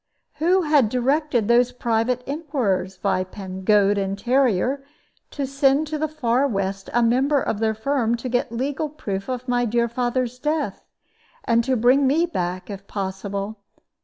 Who had directed those private inquirers, Vypan, Goad, and Terryer, to send to the far West a member of their firm to get legal proof of my dear father's death, and to bring me back, if possible?